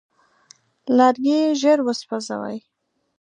لرګی ژر وسوځي.